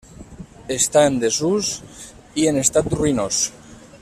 Està en desús i en estat ruïnós.